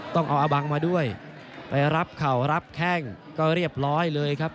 ต้องเอาอบังมาด้วยไปรับเข่ารับแข้งก็เรียบร้อยเลยครับ